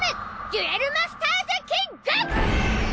『デュエル・マスターズキング！』。